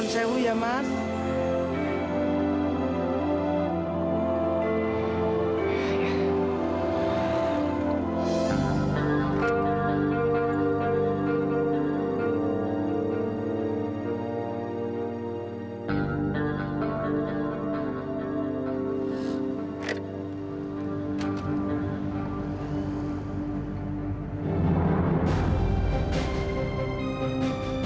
semoga berjaya ya mas